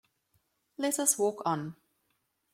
Let us walk on.